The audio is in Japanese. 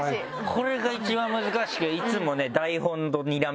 これが一番難しくていつもね俺は。